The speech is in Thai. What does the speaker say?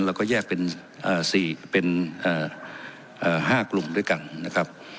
เราก็แยกเป็นเอ่อสี่เป็นเอ่อเอ่อห้ากลุ่มด้วยกันนะครับ